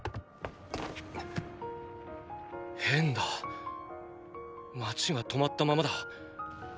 変だ街が止まったままだ。